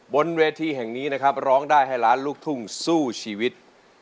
บนเวทีแห่งนี้นะครับร้องได้ให้ล้านลูกทุ่งสู้ชีวิต